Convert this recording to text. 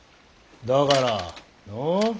だからのう？